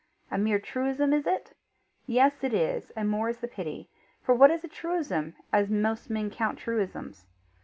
A mere truism, is it? Yes, it is, and more is the pity; for what is a truism, as most men count truisms?